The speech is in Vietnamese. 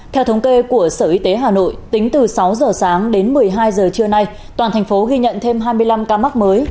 theo thống kê của sở y tế hà nội tính từ sáu giờ sáng đến một mươi hai giờ trưa nay toàn thành phố ghi nhận thêm hai mươi năm ca mắc mới